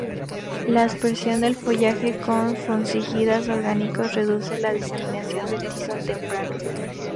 La aspersión del follaje con fungicidas orgánicos reduce la diseminación del tizón temprano.